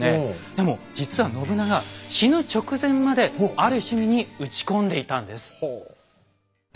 でも実は信長死ぬ直前まである趣味に打ち込んでいたんです。